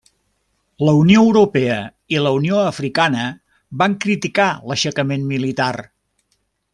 La Unió Europea i la Unió Africana van criticar l'aixecament militar.